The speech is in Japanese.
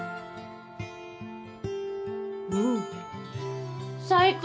うん最高！